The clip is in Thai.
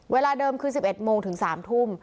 เวลาเดิมคือ๑๑โมงถึง๓ทุ่ม